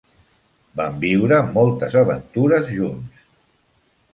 Van viure moltes aventures junts.